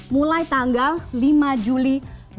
mulai tanggal lima juli dua ribu sembilan belas